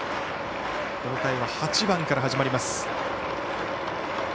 この回は８番から始まります。